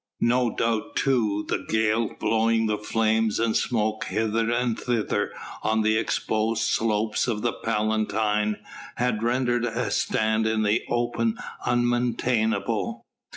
No doubt too the gale blowing the flames and smoke hither and thither on the exposed slopes of the Palatine, had rendered a stand in the open unmaintainable.